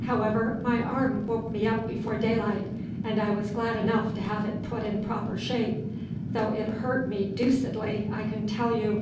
However, my arm woke me up before daylight, and I was glad enough to have it put in proper shape, though it hurt me deucedly, I can tell you.